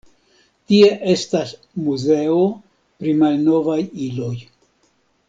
Tie estas muzeo pri malnovaj iloj.